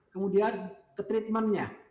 kemudian ke treatmentnya